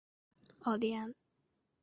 昂蒂安。